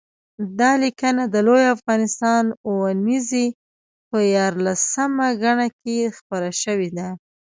دا لیکنه د لوی افغانستان اوونیزې په یارلسمه ګڼه کې خپره شوې ده